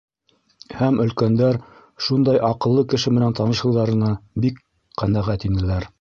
Һәм өлкәндәр шундай аҡыллы кеше менән танышыуҙарына бик ҡәнәғәт инеләр.